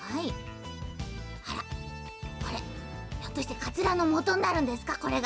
あらこれひょっとしてかつらのもとになるんですか？